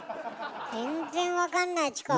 全然分かんないチコ。